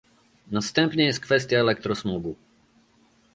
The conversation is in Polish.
Następnie jest kwestia elektrosmogu